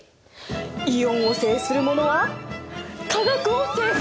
イオンを制するものは化学を制す！